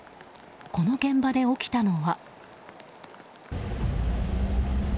この現場で起きたのは。